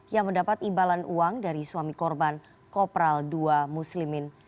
yang mendapat imbalan uang dari suami korban kopral ii muslimin